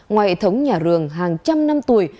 ngoài hệ thống nhà rường hàng trăm năm tuổi